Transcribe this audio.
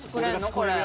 これ。